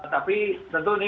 tapi tentu ini